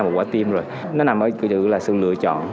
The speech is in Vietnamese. một quả tim rồi nó nằm ở sự lựa chọn